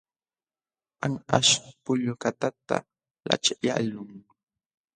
Anqaśh pullukatata laćhyaqlun.